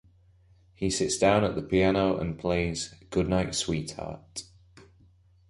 He sits down at the piano and plays "Goodnight, Sweetheart".